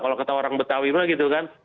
kalau kata orang betawima gitu kan